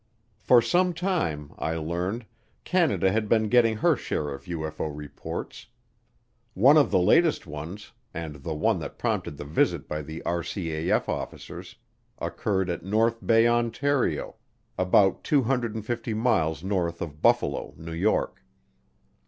For some time, I learned, Canada had been getting her share of UFO reports. One of the latest ones, and the one that prompted the visit by the RCAF officers, occurred at North Bay, Ontario, about 250 miles north of Buffalo, New York.